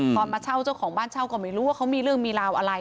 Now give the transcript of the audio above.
มาเช่าเจ้าของบ้านเช่าก็ไม่รู้ว่าเขามีเรื่องมีราวอะไร